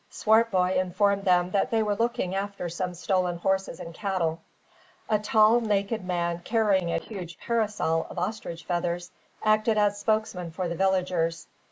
Swartboy informed them that they were looking after some stolen horses and cattle. A tall, naked man, carrying a huge parasol of ostrich feathers, acted as spokesman for the villagers.